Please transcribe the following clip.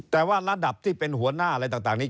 แต่ว่าระดับที่เป็นหัวหน้าอะไรต่างนี้